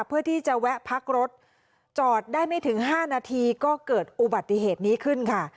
เพื่อที่จะแวะพักรถจอดได้ไม่ถึง๕นาทีก็เกิดอุบัติเหตุนี้ขึ้นค่ะ